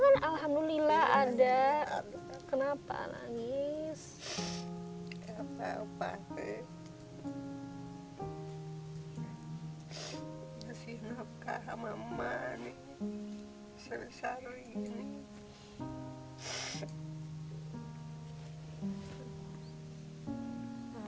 mau dipakai apa